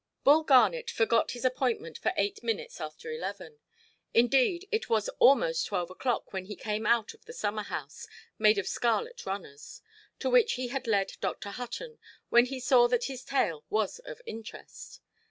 Bull Garnet forgot his appointment for eight minutes after eleven; indeed it was almost twelve oʼclock when he came out of the summerhouse (made of scarlet–runners) to which he had led Dr. Hutton, when he saw that his tale was of interest.